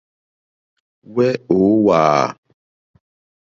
Wɛ̄ ǒ wàà.